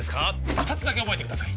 二つだけ覚えてください